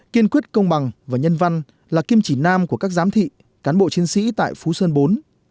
kiên quyết công bằng và nhân văn là kim chỉ nam của các giám thị cán bộ chiến sĩ tại phú sơn bốn